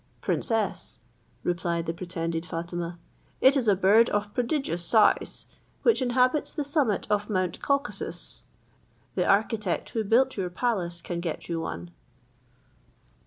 "Princess," replied the pretended Fatima, "it is a bird of prodigious size, which inhabits the summit of mount Caucasus; the architect who built your palace can get you one."